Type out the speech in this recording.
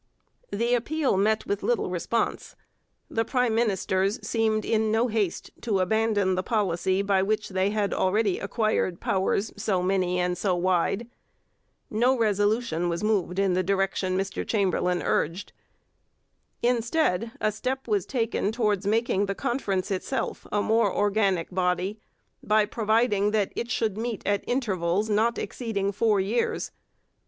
The appeal met with little response. The prime ministers seemed in no haste to abandon the policy by which they had already acquired powers so many and so wide. No resolution was moved in the direction Mr Chamberlain urged. Instead, a step was taken towards making the Conference itself a more organic body by providing that it should meet at intervals not exceeding four years.